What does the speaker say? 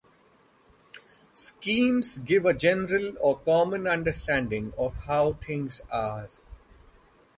Schemes give a general or common understanding of how things are.